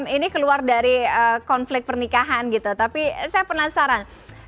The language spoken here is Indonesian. ini keluar dari konflik pernikahan gitu tapi saya penasaran